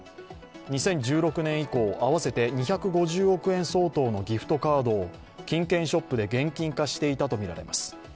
２０１６年以降、合わせて２５０億円相当のギフトカートを金券ショップで現金化していたとみられています。